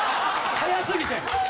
速すぎて。